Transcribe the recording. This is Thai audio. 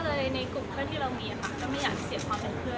รู้เรื่องมาก่อนก็ไม่รู้